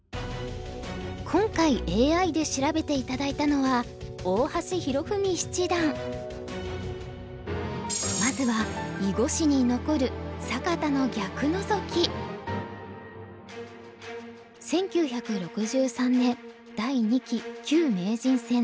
今回ＡＩで調べて頂いたのはまずは囲碁史に残る１９６３年第２期旧名人戦第七局。